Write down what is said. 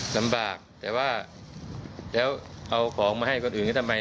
ลำบากแต่ว่าแล้วเอาของมาให้คนอื่นเขาทำไม